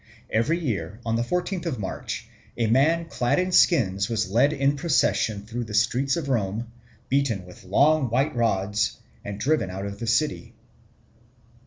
Every year on the fourteenth of March a man clad in skins was led in procession through the streets of Rome, beaten with long white rods, and driven out of the city.